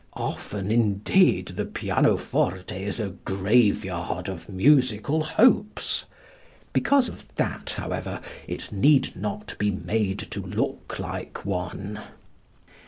Often, indeed, the pianoforte is a graveyard of musical hopes. Because of that, however, it need not be made to look like one.